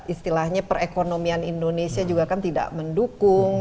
istilahnya perekonomian indonesia juga kan tidak mendukung